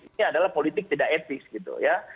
ini adalah politik tidak etis gitu ya